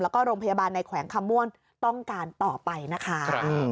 แล้วก็โรงพยาบาลในแขวงคำม่วนต้องการต่อไปนะคะ